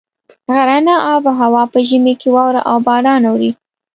غرني آب هوا په ژمي کې واوره او باران اوري.